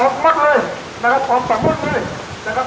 สวัสดีครับ